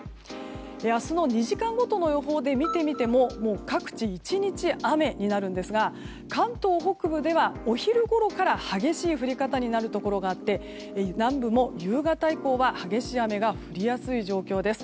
明日の２時間ごとの予報で見てみても各地、１日雨になるんですが関東北部ではお昼ごろから激しい降り方になるところがあって南部も夕方以降は激しい雨が降りやすい状況です。